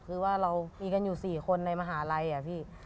คือว่าเรามีกันอยู่๔คนในมหาลัยอะพี่